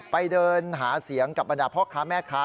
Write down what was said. ไปเดินหาเสียงกับบรรดาพ่อค้าแม่ค้า